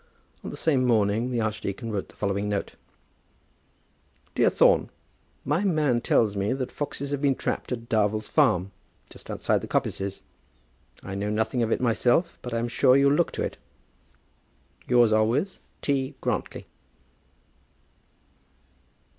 On the same morning the archdeacon wrote the following note: DEAR THORNE, My man tells me that foxes have been trapped on Darvell's farm, just outside the coppices. I know nothing of it myself, but I am sure you'll look to it. Yours always, T. GRANTLY.